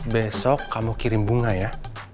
besok kamu kirim bunga ya